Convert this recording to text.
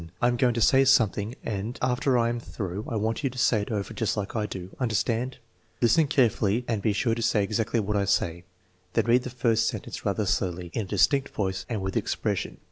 I am going to say something and after I am through I want you to say it over just like I do. Understand ? Listen carefully and be sure to say exactly what I say." Then read the first sentence rather slowly, in a distinct voice, and with expression.